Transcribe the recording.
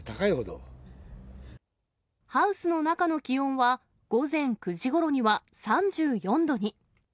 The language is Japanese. ハウスの中の気温は、午前９時ごろには３４度に。